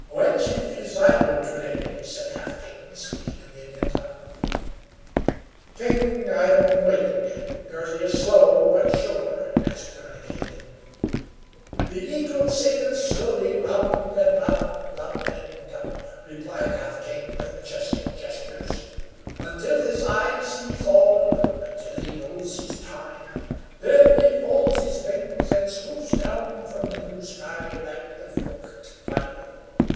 "White Chief is idle to day," said Half King, speaking in the Indian tongue. "King, I am waiting. Girty is slow, but sure," answered the renegade. "The eagle sails slowly round and round, up and up," replied Half King, with majestic gestures, "until his eye sees all, until he knows his time; then he folds his wings and swoops down from the blue sky like the forked fire.